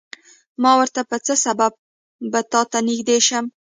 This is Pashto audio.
ما ورته په څه سبب به تاته نږدې شم.